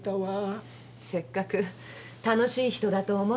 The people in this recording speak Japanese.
せっかく楽しい人だと思ったのに。